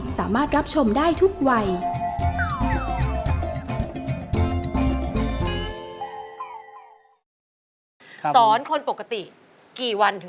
สามารถรับชมได้ทุกวัย